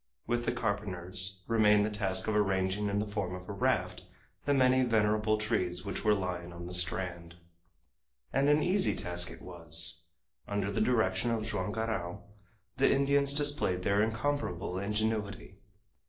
With the carpenters remained the task of arranging in the form of a raft the many venerable trees which were lying on the strand. And an easy task it was. Under the direction of Joam Garral the Indians displayed their incomparable ingenuity.